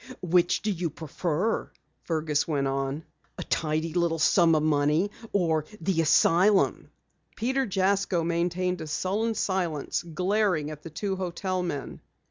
"Which do you prefer," Fergus went on. "A tidy little sum of money, or the asylum?" Peter Jasko maintained a sullen silence, glaring at the two hotel men.